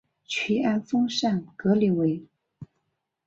屈安丰塞格里韦。